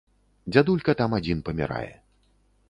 Дзядулька там адзін памірае.